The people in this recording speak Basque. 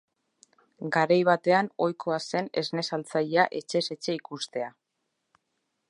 Garai batean ohikoa zen esne saltzailea etxez etxe ikustea.